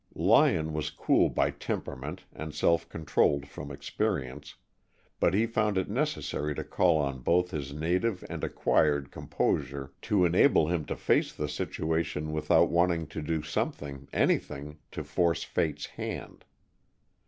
Lyon was cool by temperament and self controlled from experience, but he found it necessary to call on both his native and acquired composure to enable him to face the situation without wanting to do something, anything, to force Fate's hand.